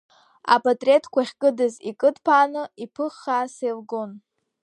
Апатреҭқәа ахькыдыз икыдԥааны, иԥыххааса илгон.